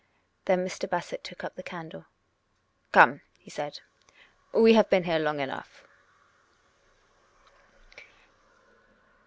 Then Mr. Bassett took up the candle. "Come," he said; "we have been here long enough."